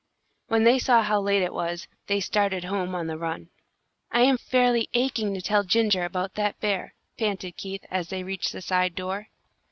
When they saw how late it was, they started home on the run. "I am fairly aching to tell Ginger about that bear," panted Keith, as they reached the side door.